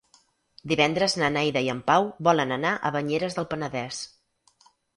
Divendres na Neida i en Pau volen anar a Banyeres del Penedès.